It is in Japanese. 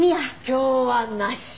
今日はなし。